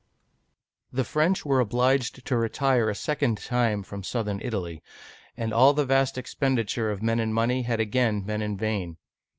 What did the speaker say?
THE French were obliged to retire a second time from southern Italy, and all the vast expenditure of men and money had again been in vain.